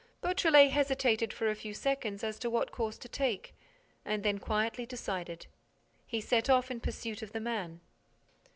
Beautrelet hesitated for a few seconds as to what course to take, and then quietly decided. He set off in pursuit of the man.